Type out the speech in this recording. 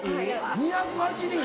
２０８人。